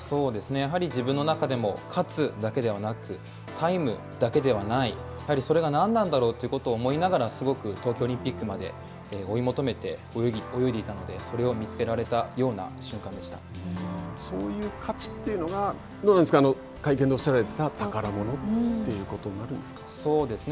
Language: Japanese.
やっぱり自分の中でも勝つだけではなくタイムだけではないやはりそれが何なんだろうということを思いながらすごく東京オリンピックまで追い求めて泳いでいたのでそれを見つけられたようなそういう勝ちというのが会見でおっしゃられていた宝物ということになるんですか。